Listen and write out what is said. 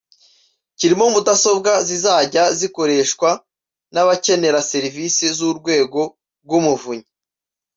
kirimo mudasobwa zizajya zikoreshwa n’abakenera serivise z’Urwego rw’umuvunyi